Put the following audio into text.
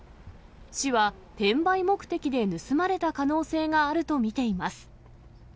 市は、転売目的で盗まれた可能性があると見ています。